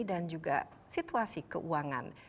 dan juga situasi keuangan